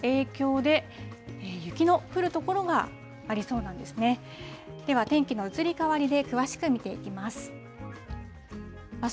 では、天気の移り変わりで詳しく見ていきます。